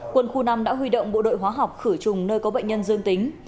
quân khu năm đã huy động bộ đội hóa học khử trùng nơi có bệnh nhân dương tính